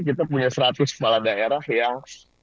kita punya seratus kepala daerah yang